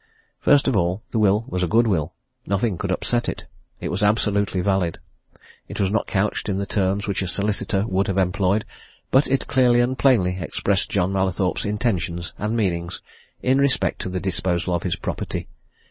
First of all, the will was a good will. Nothing could upset it. It was absolutely valid. It was not couched in the terms which a solicitor would have employed, but it clearly and plainly expressed John Mallathorpe's intentions and meanings in respect to the disposal of his property.